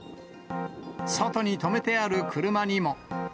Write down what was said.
外に止めてある車にも。